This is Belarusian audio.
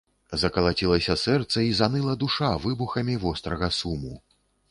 Закалацілася сэрца і заныла душа выбухамі вострага суму.